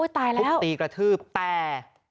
ทุกตีกระทืบแต่